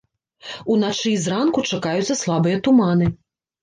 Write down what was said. Уначы і зранку чакаюцца слабыя туманы.